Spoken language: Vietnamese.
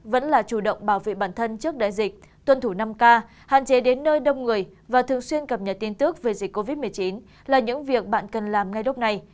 vẫn là chủ động bảo vệ bản thân trước đại dịch tuân thủ năm k hạn chế đến nơi đông người và thường xuyên cập nhật tin tức về dịch covid một mươi chín là những việc bạn cần làm ngay lúc này